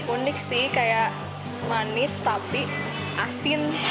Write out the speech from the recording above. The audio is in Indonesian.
unik sih kayak manis tapi asin